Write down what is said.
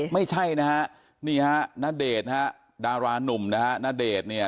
ไม่ใช่นะฮะนี่ฮะณเดชน์นะฮะดารานุ่มนะฮะณเดชน์เนี่ย